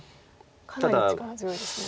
かなり力強いですね。